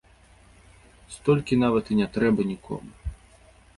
Столькі нават і не трэба нікому!